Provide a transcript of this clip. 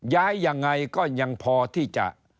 ย้ายยังไงก็ยังพอที่จะ